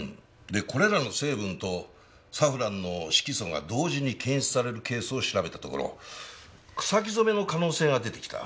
でこれらの成分とサフランの色素が同時に検出されるケースを調べたところ草木染めの可能性が出てきた。